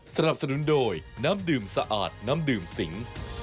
สนับสนุนโดยน้ำดื่มสะอาดน้ำดื่มสิง